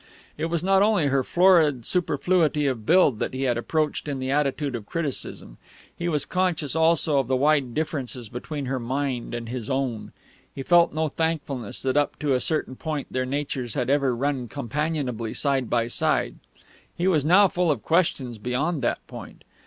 It was not only her florid superfluity of build that he had approached in the attitude of criticism; he was conscious also of the wide differences between her mind and his own. He felt no thankfulness that up to a certain point their natures had ever run companionably side by side; he was now full of questions beyond that point.